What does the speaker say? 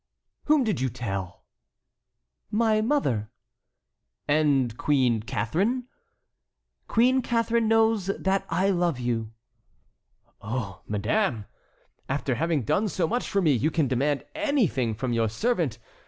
"Whom did you tell?" "My mother." "And Queen Catharine"— "Queen Catharine knows that I love you." "Oh, madame! after having done so much for me, you can demand anything from your servant.